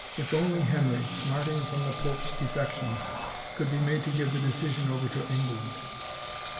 If only Henry, smarting from the pope's defections, could be made to give the decision over to England!